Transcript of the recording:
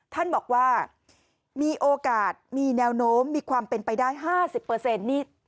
ท่านบอกว่ามีโอกาสมีแนวโน้มมีความเป็นไปได้๕๐นี่